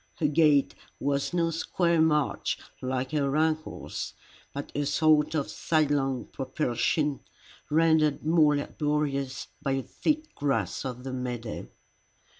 Her gait was no square march like her uncle's, but a sort of sidelong propulsion, rendered more laborious by the thick grass of the meadow.